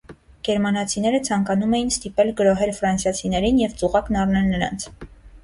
Գերմանացիները ցանկանում էին ստիպել գրոհել ֆրանսիացիներին և ծուղակն առնել նրանց։